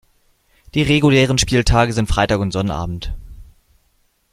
Die regulären Spieltage sind Freitag und Sonnabend.